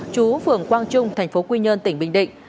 chú phường quang trung tp quy nhơn tỉnh bình định